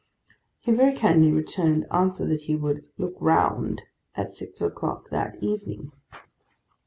He very kindly returned for answer, that he would 'look round' at six o'clock that evening.